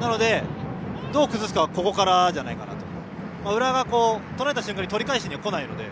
なので、どう崩すかはここからじゃないかなと。浦和が取られた瞬間に取り返しに来ないので。